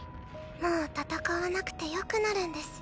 もう戦わなくてよくなるんです。